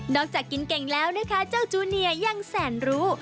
จากกินเก่งแล้วนะคะเจ้าจูเนียยังแสนรู้